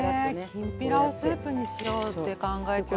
きんぴらをスープにしようって考えたなんて。